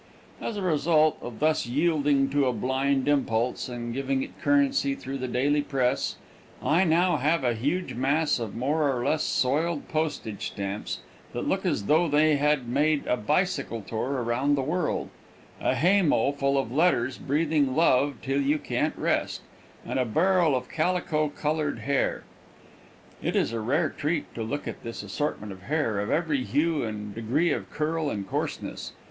As a result of thus yielding to a blind impulse and giving it currency through the daily press, I now have a huge mass of more or less soiled postage stamps that look as though they had made a bicycle tour around the world, a haymow full of letters breathing love till you can't rest, and a barrel of calico colored hair. It is a rare treat to look at this assortment of hair of every hue and degree of curl and coarseness.